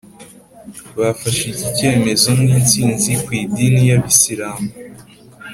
bafashe iki cyemeze nk’ itsinzi ku idini y’ Abasilamu.